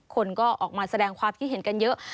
คนก็ออกมาแสดงความคิดเห็นกันเยอะ